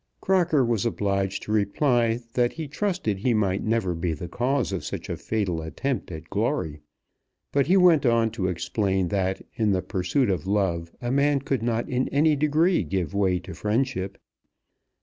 Crocker was obliged to reply that he trusted he might never be the cause of such a fatal attempt at glory; but he went on to explain that in the pursuit of love a man could not in any degree give way to friendship.